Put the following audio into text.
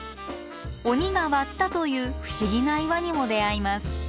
鬼が割ったという不思議な岩にも出会います。